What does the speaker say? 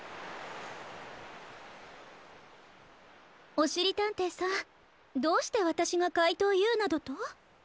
おしりたんていさんどうしてわたしがかいとうＵなどと？